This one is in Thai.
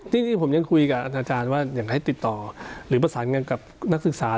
จริงผมยังคุยกับอาจารย์ว่าอยากให้ติดต่อหรือประสานงานกับนักศึกษา